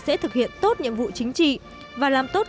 sẽ thực hiện tốt nhiệm vụ chính trị và làm tốt công tác